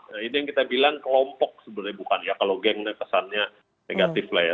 nah ini yang kita bilang kelompok sebenarnya bukan ya kalau gengnya kesannya negatif lah ya